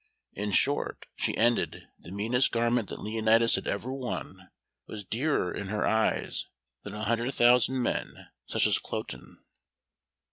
In short, she ended, the meanest garment that Leonatus had ever worn was dearer in her eyes than a hundred thousand men such as Cloten.